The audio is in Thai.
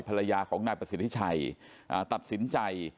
ภรรยาของนายประสิทธิชัยตัดสินใจ